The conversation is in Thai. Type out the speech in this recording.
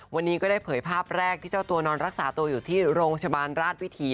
วันนี้ก็ได้เผยภาพแรกที่เจ้าตัวนอนรักษาตัวอยู่ที่โรงพยาบาลราชวิถี